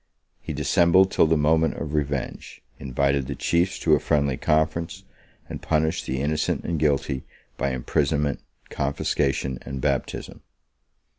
He dissembled till the moment of revenge; invited the chiefs to a friendly conference; and punished the innocent and guilty by imprisonment, confiscation, and baptism.